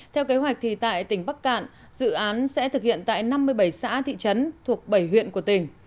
theo kế hoạch thì tại tỉnh bắc cạn dự án sẽ thực hiện tại năm mươi bảy xã thị trấn thuộc bảy huyện của tỉnh